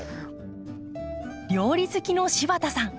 料理好きの柴田さん。